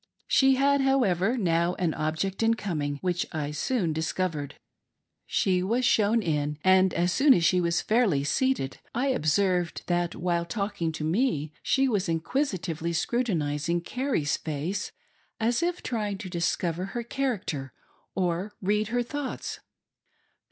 She had, however, now an object in coming which I soon discovered. She was shown in, and as soon as she was fairly seated, I observed that, while talking to me, she was inquisitively scru tinizing Carrie's face, as if trying to discover her character or read her thoughts.